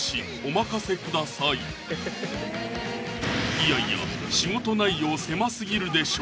いやいや仕事内容狭すぎるでしょ